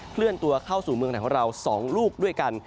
เลื่อนตัวเข้าสู่เมืองไทยของเรา๒ลูกด้วยกัน